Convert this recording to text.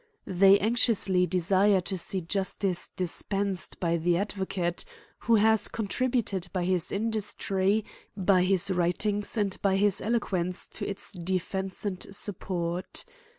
They anxious ly desire to see justice dispensed by the advocate, ^who has contributed by his industry, by his wri tings, and by his eloquence to its defence and support.